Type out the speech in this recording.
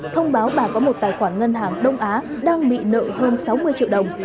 thông báo bà có một tài khoản ngân hàng đông á đang bị nợ hơn sáu mươi triệu đồng